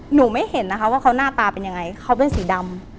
หนูไม่เห็นนะคะว่าเขาหน้าตาเป็นยังไงเขาเป็นสีดำ